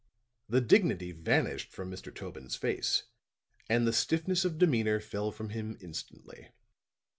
The dignity vanished from Mr. Tobin's face, and the stiffness of demeanor fell from him instantly.